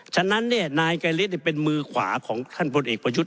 ฉะนั้นนายไกรฤทธิ์เป็นมือขวาของท่านพลเอกประยุทธ์